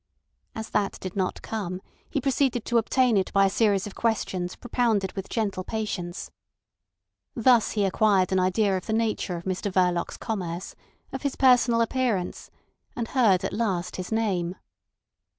As that did not come he proceeded to obtain it by a series of questions propounded with gentle patience. Thus he acquired an idea of the nature of Mr Verloc's commerce, of his personal appearance, and heard at last his name.